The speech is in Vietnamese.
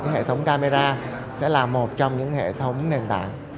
hệ thống camera sẽ là một trong những hệ thống nền tảng